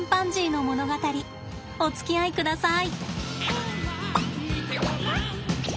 おつきあいください。